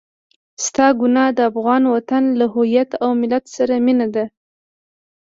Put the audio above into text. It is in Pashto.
ستا ګناه د افغان وطن له هويت او ملت سره مينه ده.